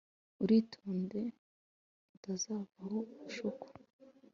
uritonde, utazavaho ushukwa